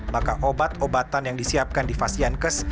maka obat obatan yang disiapkan di fasian kes